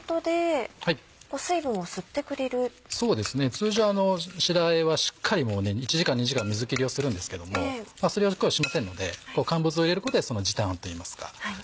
通常白あえはしっかり１時間２時間水切りをするんですけどもそれを今日はしませんので乾物を入れることでその時短といいますか。